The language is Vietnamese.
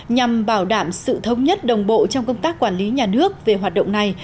nhằm bảo đảm sự thống nhất đồng bộ trong công tác quản lý nhà nước về hoạt động này